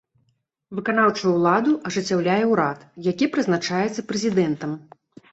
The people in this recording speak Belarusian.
Выканаўчую ўладу ажыццяўляе ўрад, які прызначаецца прэзідэнтам.